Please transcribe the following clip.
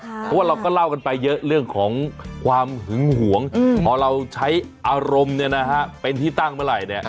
เพราะว่าเราก็เล่ากันไปเยอะเรื่องของความหึงหวงพอเราใช้อารมณ์เป็นที่ตั้งเมื่อไหร่เนี่ย